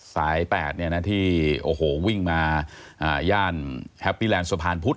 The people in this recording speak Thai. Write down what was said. สายแปดที่วิ่งมาย่านแฮปปี้แลนด์สะพานพุทธ